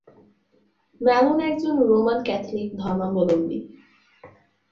Malone একজন Roman Catholic ধর্মাবলম্বী।